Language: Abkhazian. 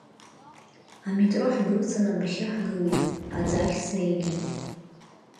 Аметро ҳдәылҵын адәахьы ҳгылит, аӡы ахь снеигеит.